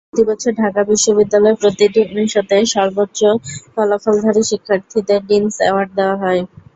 প্রতিবছর ঢাকা বিশ্ববিদ্যালয়ে প্রতিটি অনুষদে সর্বোচ্চ ফলাফলধারী শিক্ষার্থীদের ডিনস অ্যাওয়ার্ড দেওয়া হয়।